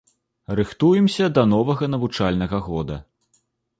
Рыхтуемся да новага навучальнага года.